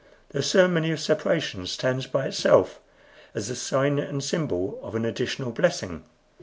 The ceremony of separation stands by itself as the sign and symbol of an additional blessing.